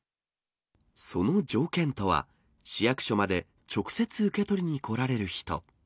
その条件とは、市役所まで直接受け取りに来られる人。